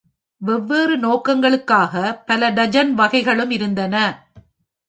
வெவ்வேறு நோக்கங்களுக்காக பல டஜன் வகைகளும் இருந்தன.